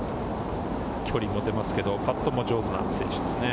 距離も出ますけれど、パットも上手な選手です。